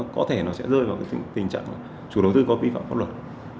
có thể nó sẽ rơi vào tình trạng chủ đầu tư có vi phạm pháp luật